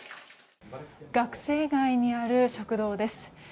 学生街にある食堂です。